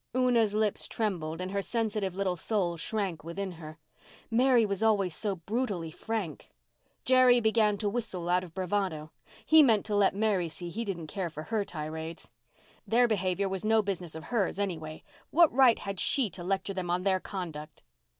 Una's lips trembled and her sensitive little soul shrank within her. Mary was always so brutally frank. Jerry began to whistle out of bravado. He meant to let Mary see he didn't care for her tirades. Their behaviour was no business of hers anyway. What right had she to lecture them on their conduct?